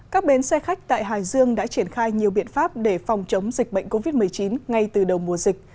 các bến xe khách tại hải dương đã triển khai nhiều biện pháp để phòng chống dịch bệnh covid một mươi chín ngay từ đầu mùa dịch